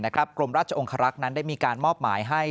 กรมราชองค์ข้ารักษ์ได้มีการมอบหมายให้